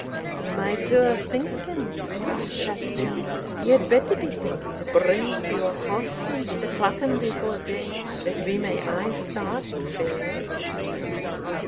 And, in my puir thinking, Garschattachin, ye had better be thinking to bring up your horsemen to the Clachan before day, that we may ay start fair."